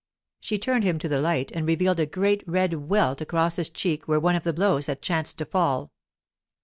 She turned him to the light and revealed a great red welt across his cheek where one of the blows had chanced to fall.